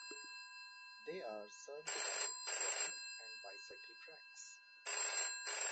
They are served by walking and bicycle tracks.